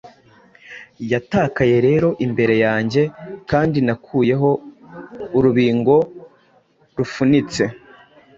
Yatakaye rero imbere yanjye; Kandi nakuyeho urubingo rufunitse,